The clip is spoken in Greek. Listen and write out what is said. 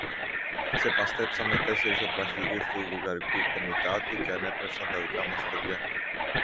Ξεπαστρέψαμε τέσσερεις οπλαρχηγούς του Βουλγαρικού Κομιτάτου, και ανέπνευσαν τα δικά μας χωριά».